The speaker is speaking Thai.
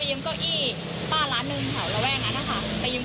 แล้วหนูก็เลยบอกว่าป้าเห็นใช่ไหม